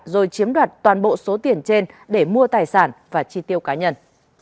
rồi chiếm đoạt toàn bộ số tiền trên để mua tài sản và chi tiêu cá nhân